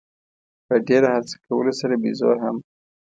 په ډېره هڅه کولو سره بېزو هم.